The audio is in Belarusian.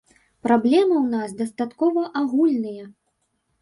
Праблемы ў нас дастаткова агульныя.